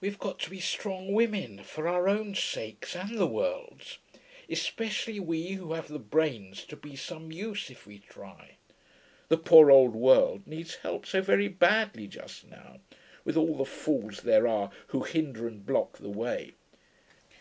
We've got to be strong women, for our own sakes and the world's especially we who have the brains to be some use if we try. The poor old world needs help so very badly just now, with all the fools there are who hinder and block the way.